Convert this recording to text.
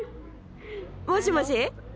もしもし？